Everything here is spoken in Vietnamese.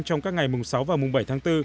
trong các ngày mùng sáu và mùng bảy tháng bốn